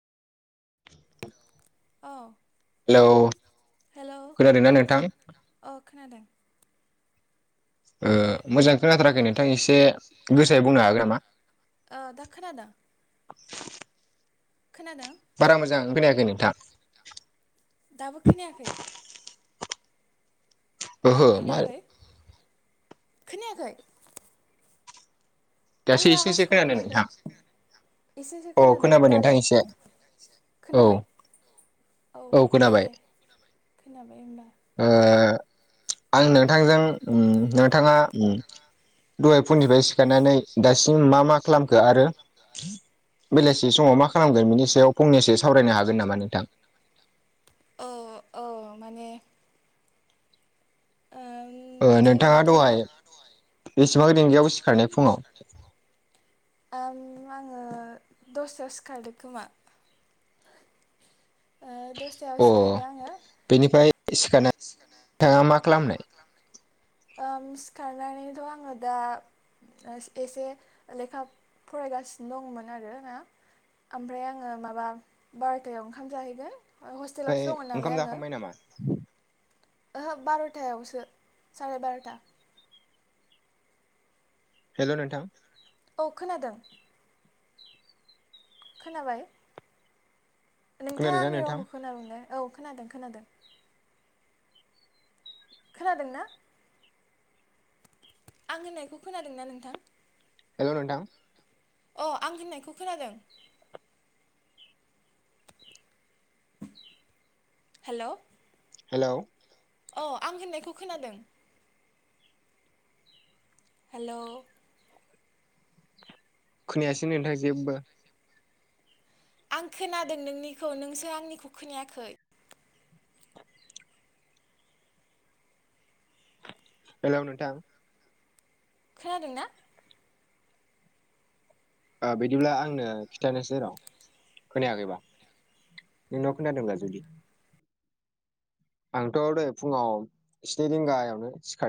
अ hello हेल' खोनादोंना नोंथां अ खोनादों मोजां खोनाथाराखै नोंथां एसे गोसायै बुंनो हागोन नामा दखोना दा खोनादों बारा मोजां फैनायाखै नोंथाङ दाबो खोनायाखै ओहो दाबो मा खोनायाखै खोनायाखै दासो आनि एसे आवाज एसे खोनादों ककनो नोंथां जादों एसेसो अ खोनादों खोनाबाय नोंथां दालाय एसे औ खोनाबाय औ दे खोनाबाय होनबा ओ आं नोंथांजों नोंथाङा दहाय फुनिफ्राय सिखारनानै दासिम मा मा सिम खालामखो मा मा आरो खालामखो आरो बेलासि समाव मा खालामगोन बिनि सायाव फंनैसो सावरायनो हागोन नामा नोंथां औ औ माने आओं नोंथाङा दहाय बेसेबां दििंगायाव सिखारनाय फुङाव आङो दसे्रायाव सिखारदों खोमा ओ द फुथायायाव अ सिखारदों आङो बेनिफ्राय सिखारनानै सिखार नोंथाङा खालामनाय मा खालामनो सिखारनानैथ' आङो दा एसे लेखा फरायगासिनो दंमोन आर ना ओमफ्राय आङो माबा बार'थायाव ओंखाम जाहैगोन हस्टेलावसो ओमफ्राय दङ ओंखाम नालाय आङो जाखांबाय [inaudible] ओहो बार'थायावसो साराय बार'था हेल' नोंथां औ खोनादों खोनाबाय नोंथाङा खोनादोंना आंनि नोंथां रावखौ खोनादोंल औ खोनादों खोनादों खोनादों ना आं होननायखौ खोनादों न नोंथां हेल्ल नथा अ आं दोननायखौ खोनादों हेल' हेल' अ आं होननायखौ खोनादों हेल' खोनायासै नोंथां जेबो आं खोनादों नोंनिखौ नोंसो आंनिखौ खोनायाखै हेलौ नोंथां खोनादों ना बिदिब्ला आंनो खिन्थानोसै र' खोनायाखैबा नोंनाव खोनथादोंबा जुदि आंथ' दहाय फुङाव स्नि रिंगायावनो सिखार